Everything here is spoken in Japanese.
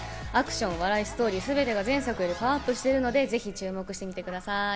アクション、笑い、ストーリー、全てが前作よりパワーアップしているので、ぜひ注目してみてください。